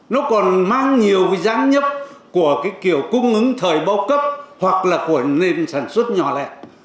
nó còn mang nhiều giám nhấp của kiểu cung ứng thời bầu cấp hoặc là của nền sản xuất nhỏ lẹ